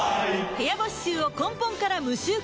部屋干し臭を根本から無臭化